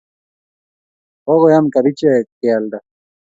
Kokoyem kabijek kealda